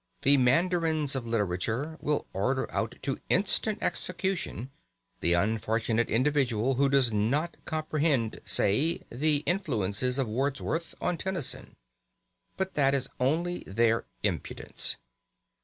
The mandarins of literature will order out to instant execution the unfortunate individual who does not comprehend, say, the influence of Wordsworth on Tennyson. But that is only their impudence.